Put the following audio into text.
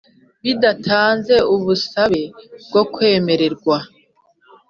bidatanze ubusabe bwo kwemererwa